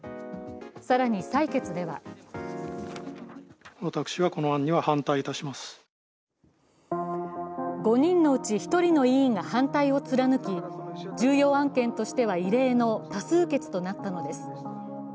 更に採決では５人のうち１人の委員が反対を貫き重要案件としては異例の多数決となったのです。